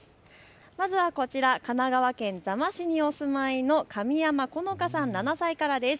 まずはこちら、神奈川県座間市にお住まいのかみやまこのかさん７歳からです。